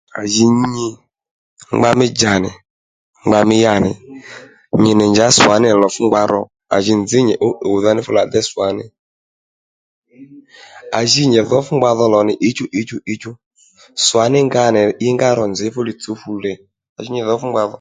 À ji nu nyi ngba mí djǎnì ngba mí yǎnì nyì nì njǎ swà ni lò fú ngba ro à ji nzǐ nyi ǔw ǔdha ní fú lò à déy swà ní à ji nyì dhǒ fú ngba dho lò nì ǐchú ǐchú ǐchú swàní nga nì inga ro nzǐ fúli tsǔw fule a jì nyi lòw fú ngba